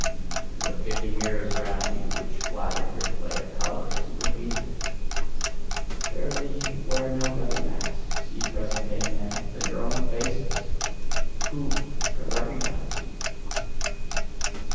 And with fifty mirrors around you, which flattered your play of colours, and repeated it! Verily, ye could wear no better masks, ye present day men, than your own faces! Who could RECOGNISE you!